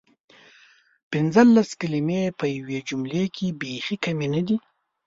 پنځلس کلمې په یوې جملې کې بیخې کمې ندي؟!